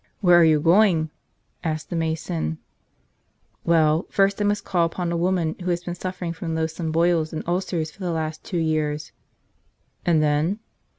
"Where are you going?" asked the mason. "Well, first I must call upon a woman who has been suffering from loathsome boils and ulcers for the last two years." "And then?"